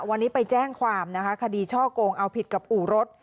วันนี้ไปแจ้งความนะคะคดีช่อกงเอาผิดกับอู่รถ